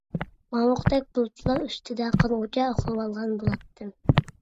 مامۇقتەك بۇلۇتلار ئۈستىدە قانغۇچە ئۇخلىۋالغان بۇلاتتىم.